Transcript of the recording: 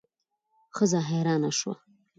ښځه حیرانه شوه.